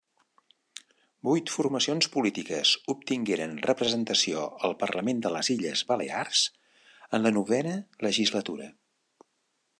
Vuit formacions polítiques obtingueren representació al Parlament de les Illes Balears en la Novena Legislatura.